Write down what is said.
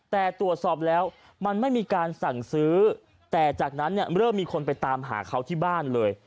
แต่ตรวจสอบแล้วมันไม่มีการสั่งซื้อแต่จากนั้นเนี่ยเริ่มมีคนไปตามหาเขาที่บ้านเลย